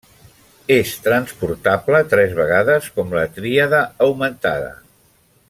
És transportable tres vegades, com la tríada augmentada.